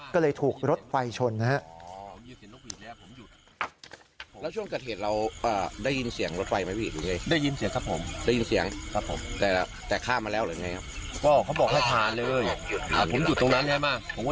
ก็เลยถูกรถไฟชนนะครับ